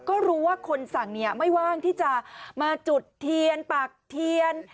ก็รู้ว่าคนสั่งเนี่ยไม่ว่างที่จะมาจุดเทียนปากเทียน